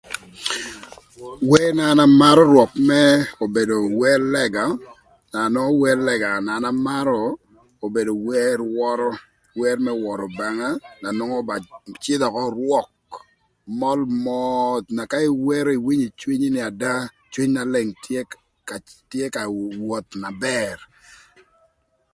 Wer na an amarö rwök më obedo wer lëga na nongo wer lëga na an amarö obedo wer wörö wer më wörö Obanga na nongo cïdhö ökö rwök möl moth na ka iwero iwinyo ï cwinyi ëka Cwiny Naleng tye ka woth na bër.